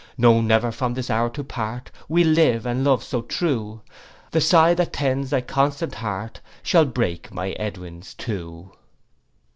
'No, never, from this hour to part, We'll live and love so true; The sigh that tends thy constant heart, Shall break thy Edwin's too.